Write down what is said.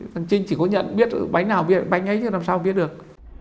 thằng trinh chỉ có nhận biết bánh nào biết bánh ấy thì làm sao biết được